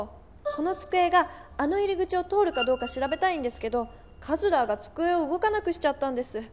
このつくえがあの入り口を通るかどうかしらべたいんですけどカズラーがつくえをうごかなくしちゃったんです。